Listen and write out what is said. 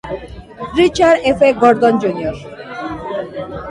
Richard F. Gordon Jr.